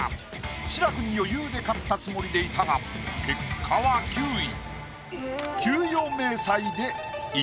志らくに余裕で勝ったつもりでいたが結果は９位。